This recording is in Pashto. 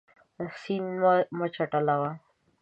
سیند مه چټلوه.